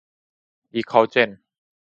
ดีคอลเจน